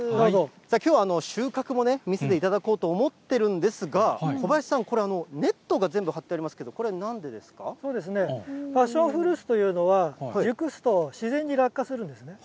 きょう、収穫もね、見せていただこうと思っているんですが、小林さん、ネットが全部張ってありますけど、パッションフルーツというのは、熟すと自然に落下するんですね。